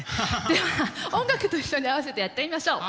では音楽と一緒に合わせてやってみましょう。